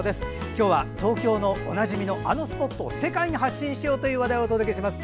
今日は東京のおなじみのあのスポットを世界に発信しようという話題をお届けします。